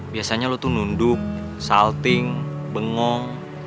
biasanya lo tuh nunduk solting bengong